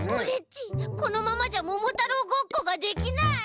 ちこのままじゃ「ももたろう」ごっこができない！